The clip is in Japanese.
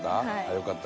よかった。